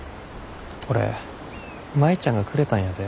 これ舞ちゃんがくれたんやで。